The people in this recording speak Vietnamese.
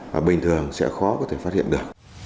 và bình thường sẽ khó có thể phát hiện được